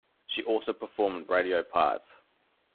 She also performed radio parts.